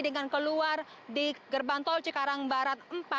dengan keluar di gerbang tol cikarang barat empat